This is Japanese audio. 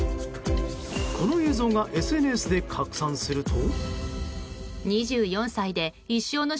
この映像がＳＮＳで拡散すると。